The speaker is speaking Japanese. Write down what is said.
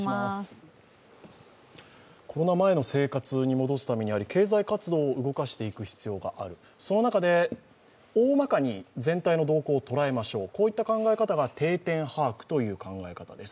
コロナ前の生活に戻すために経済活動を再開していく必要がある、その中でおおまかに全体の動向を捉えましょう、こういった考え方が定点把握という考え方です。